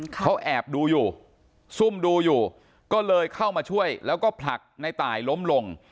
เขาแอบดูอยู่ซุ่มดูอยู่ก็เลยเข้ามาช่วยแล้วก็ผลักในตายล้มลง